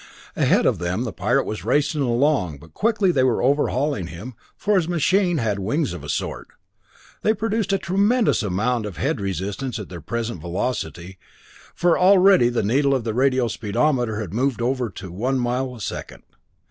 Ahead of them the pirate was racing along, but quickly now they were overhauling him, for his machine had wings of a sort! They produced a tremendous amount of head resistance at their present velocity, for already the needle of the radio speedometer had moved over to one mile a second.